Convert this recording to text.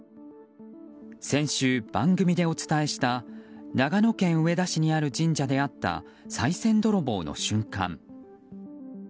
先週、番組でお伝えした長野県上田市にある神社で起きたさい銭泥棒の瞬間。